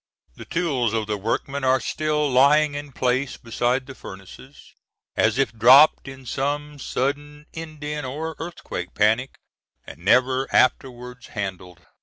The tools of the workmen are still lying in place beside the furnaces, as if dropped in some sudden Indian or earthquake panic and never afterwards handled.